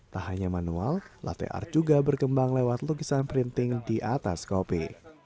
tak hanya manual latte art juga berkembang lewat lukisan printing di atas kopi